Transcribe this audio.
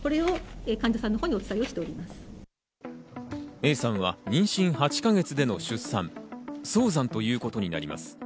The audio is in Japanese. Ａさんは妊娠８か月での出産、早産ということになります。